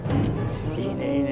いいねいいね